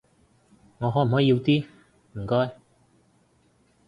我可唔可以要啲，唔該？